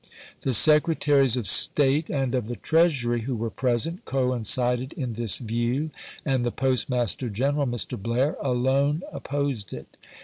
The Secretaries of State and of the Treasury, who were present, coincided in this view, and the Postmaster General, Mr. Blair, alone opposed it.